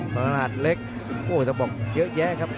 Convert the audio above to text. ธนาฬักษ์เล็กโอ้ยสมบอกเยอะแยะครับ